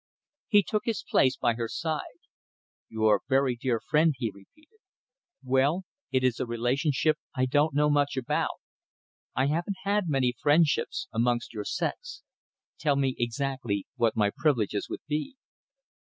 He took his place by her side. "Your very dear friend," he repeated. "Well, it is a relationship I don't know much about. I haven't had many friendships amongst your sex. Tell me exactly what my privileges would be."